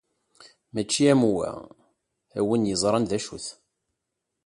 Mačči am wa, a win yeẓran d acu-t.